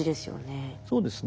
そうですね。